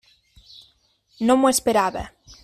No m'ho esperava.